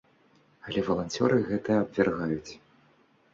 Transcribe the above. Але валанцёры гэта абвяргаюць.